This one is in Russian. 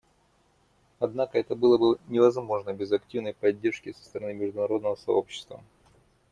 Однако это было бы невозможно без активной поддержки со стороны международного сообщества.